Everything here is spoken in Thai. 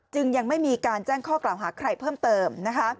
ยังไม่มีการแจ้งข้อกล่าวหาใครเพิ่มเติมนะคะ